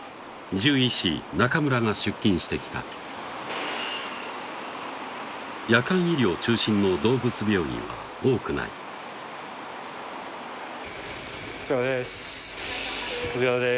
獣医師・中村が出勤してきた夜間医療中心の動物病院は多くないお疲れです